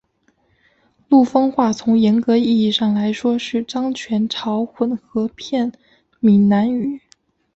陆丰话从严格意义上来说是漳泉潮混合片闽南语。